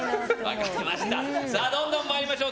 どんどん参りましょう。